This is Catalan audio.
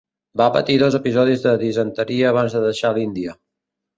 Va patir dos episodis de disenteria abans de deixar l'Índia.